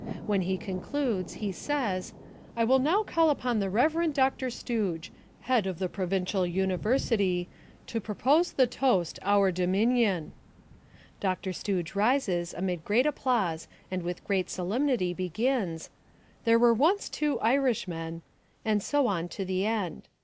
When he concludes he says, "I will now call upon the Rev. Dr. Stooge, Head of the Provincial University, Haroe English Any Sense of Humour? to propose the toast 'Our Dominion.'" Dr. Stooge rises amid great applause and with great solemnity begins, "There were once two Irishmen " and so on to the end.